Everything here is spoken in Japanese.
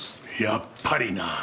やっぱりな。